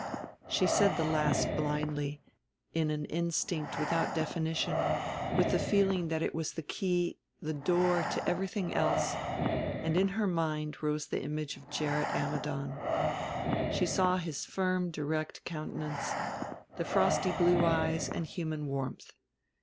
She said the last blindly, in an instinct without definition, with the feeling that it was the key, the door, to everything else; and in her mind rose the image of Gerrit Ammidon. She saw his firm direct countenance, the frosty blue eyes and human warmth.